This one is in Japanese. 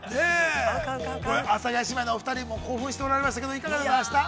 ◆阿佐ヶ谷姉妹のお二人も興奮しておられましたけどいかがでございました？